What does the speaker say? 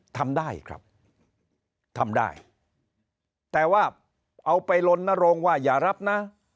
ทำได้ครับทำได้แต่ว่าเอาไปลนรงค์ว่าอย่ารับนะ